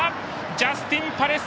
ジャスティンパレス！